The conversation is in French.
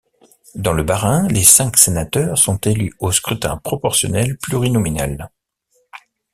Dans le Bas-Rhin, les cinq sénateurs sont élus au scrutin proportionnel plurinominal.